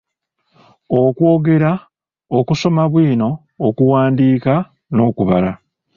Okwogera, Okusoma bwino , Okuwandiika, N’okubala.